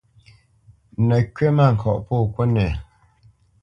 Nə̌ kywítmâŋkɔʼ pô kúnɛ.